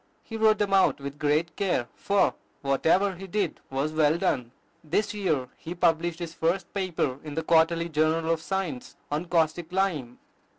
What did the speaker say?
He wrote them out with great care; for whatever he did was well done. This year he published his first paper in the "Quarterly Journal of Science" on caustic lime.